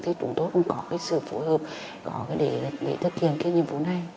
chúng tôi cũng có sự phối hợp để thực hiện nhiệm vụ này